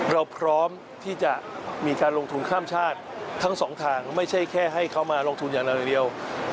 เราพร้อมที่จะมีการลงทุนข้ามชาติทั้งสองทางไม่ใช่แค่ให้เขามาลงทุนอย่างเดียว